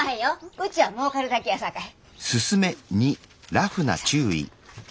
うちは儲かるだけやさかい。